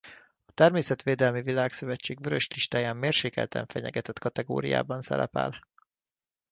A Természetvédelmi Világszövetség Vörös listáján mérsékelten fenyegetett kategóriában szerepel.